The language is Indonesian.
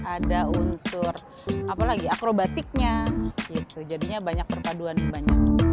ada unsur akrobatiknya jadinya banyak perpaduan